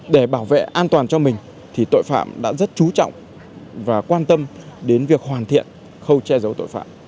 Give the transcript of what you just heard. để bảo vệ an toàn cho mình thì tội phạm đã rất trú trọng và quan tâm đến việc hoàn thiện khâu che giấu tội phạm